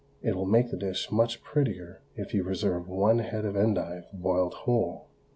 It will make the dish much prettier if you reserve one head of endive boiled whole.